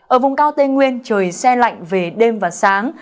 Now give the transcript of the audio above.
ở vùng cao tây nguyên trời xe lạnh về đêm và sáng